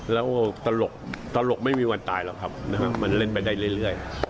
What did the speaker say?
แล้วตลกไม่มีวันตายหรอกครับมันเล่นไปได้เรื่อย